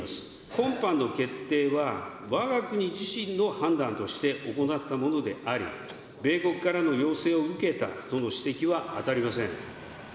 今般の決定は、わが国自身の判断として行ったものであり、米国からの要請を受けたとの指摘は当たりません。